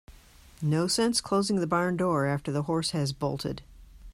No sense closing the barn door after the horse has bolted.